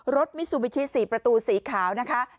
รถมิสุบิทชิ๔ประตู๔ขาวนะคะ